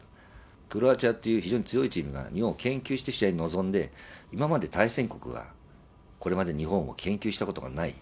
クロアチアっていう非常に強いチームが、日本を研究して試合に臨んで、今まで対戦国が、これまで日本を研究したことがない。